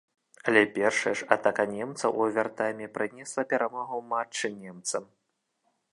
Але першая ж атака немцаў у овертайме прынесла перамогу ў матчы немцам.